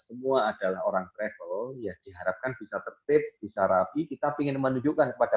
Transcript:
semua adalah orang travel ya diharapkan bisa tertib bisa rapi kita ingin menunjukkan kepada